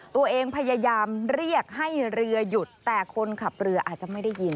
ตัวเองพยายามเรียกให้เรือหยุดแต่คนขับเรืออาจจะไม่ได้ยิน